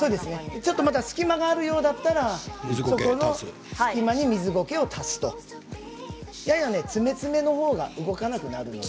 ちょっと隙間があるようだったら隙間に水ゴケを足すとやや詰め詰めのほうが動かなくなるので。